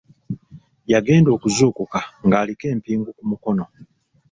Yagenda okuzuukuka ng'aliko empingu ku mukono.